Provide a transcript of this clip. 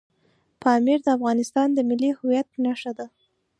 پامیر د افغانستان د ملي هویت نښه ده.